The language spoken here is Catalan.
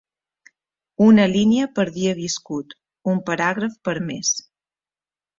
Una línia per dia viscut, un paràgraf per mes.